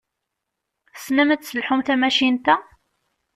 Tessnem ad tesselḥum tamacint-a?